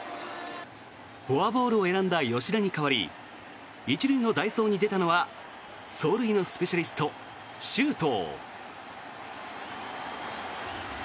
フォアボールを選んだ吉田に代わり１塁の代走に出たのは走塁のスペシャリスト、周東。